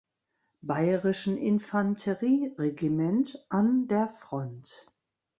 Bayerischen Infanterieregiment an der Front.